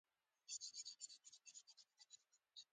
ژبه د اختلاف ختمولو وسیله ده